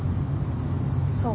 そう。